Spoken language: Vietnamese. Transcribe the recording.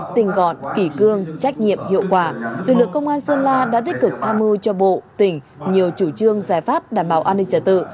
tỉnh sơn la đã tích cực tham mưu cho bộ tỉnh nhiều chủ trương giải pháp đảm bảo an ninh trả tự